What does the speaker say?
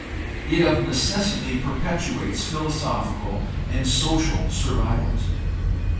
It of necessity perpetuates philosophical and social survivals.